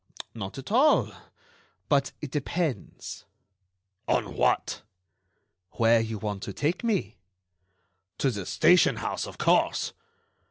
"Not at all. But it depends." "On what?" "Where you want to take me." "To the station house, of course."